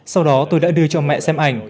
sau đó tôi đã đưa cho mẹ xem ảnh